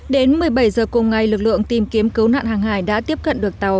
đến một mươi bảy h cùng ngày lực lượng tìm kiếm cứu nạn hàng hải đã tiếp cận được tàu